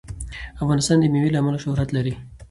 افغانستان د مېوې له امله شهرت لري.